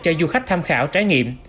cho du khách tham khảo trải nghiệm